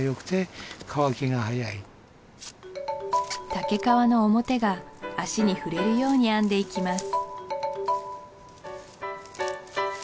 竹皮の表が足に触れるように編んでいきます